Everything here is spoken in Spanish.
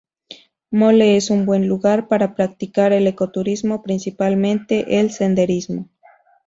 Mole es un buen lugar para practicar el ecoturismo, principalmente el senderismo.